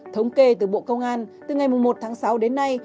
thống kê từ bộ công an từ ngày một tháng sáu đến nay